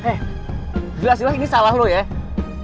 eh jelas jelas ini salah loh ya